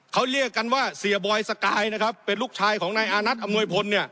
เขาเรียกกันว่าเสียบอยสกายนะครับเป็นลูกชายของนายอานัทอำนวยพล